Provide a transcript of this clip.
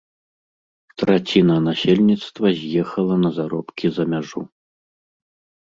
Траціна насельніцтва з'ехала на заробкі за мяжу.